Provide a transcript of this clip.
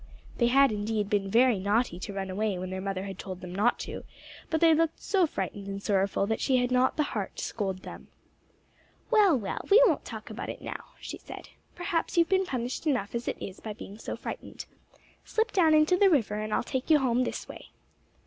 They had indeed been very naughty to run away when their mother had told them not to, but they looked so frightened and sorrowful that she had not the heart to scold them. "Well, well! We won't talk about it now," she said. "Perhaps you've been punished enough as it is by being so frightened. Slip down into the river and I'll take you home this way."